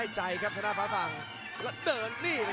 จังหวาดึงซ้ายตายังดีอยู่ครับเพชรมงคล